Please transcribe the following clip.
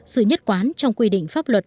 sự nhất quán trong quy định pháp luật